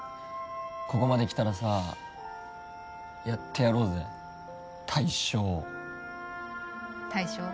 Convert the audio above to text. ここまできたらさやってやろうぜ大賞大賞？